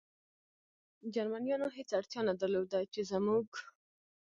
جرمنیانو هېڅ اړتیا نه درلوده، چې زموږ.